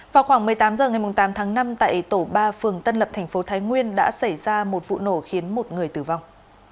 vào khoảng một mươi tám h ngày tám tháng năm tại tổ ba phường tân lập thành phố thái nguyên đã xảy ra một vụ nổ khiến một người tử vong